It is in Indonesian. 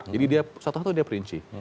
jadi dia satu satu dia perinci